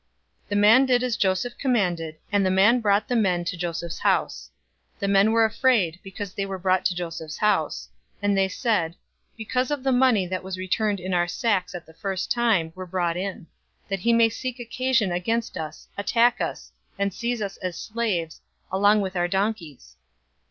043:017 The man did as Joseph commanded, and the man brought the men to Joseph's house. 043:018 The men were afraid, because they were brought to Joseph's house; and they said, "Because of the money that was returned in our sacks at the first time, we're brought in; that he may seek occasion against us, attack us, and seize us as slaves, along with our donkeys."